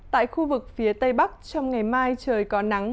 tại khu vực phía tây bắc trong ngày mai trời có nắng